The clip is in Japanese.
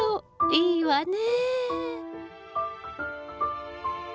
いいわね。